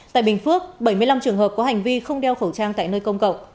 tại bình phước bảy mươi năm trường hợp có hành vi không đeo khẩu trang tại nơi công cộng